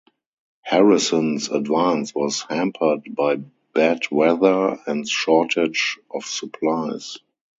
Harrison's advance was hampered by bad weather and shortage of supplies.